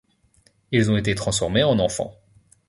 Ils ont été transformés en enfants.